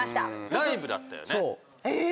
ライブだったよね。